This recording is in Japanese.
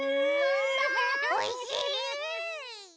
おいしい！